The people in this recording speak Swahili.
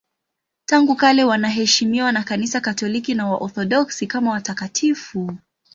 Tangu kale wanaheshimiwa na Kanisa Katoliki na Waorthodoksi kama watakatifu.